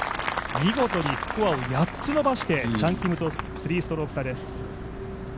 見事にスコアを８つ伸ばしてチャン・キムと３ストローク差です。